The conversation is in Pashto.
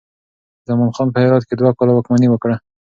زمان خان په هرات کې دوه کاله واکمني وکړه.